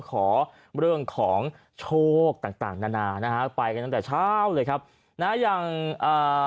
ขอเรื่องของโชคต่างต่างนานานะฮะไปกันตั้งแต่เช้าเลยครับนะอย่างอ่า